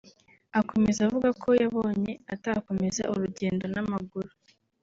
Akomeza avuga ko yabonye atakomeza urugendo n’amaguru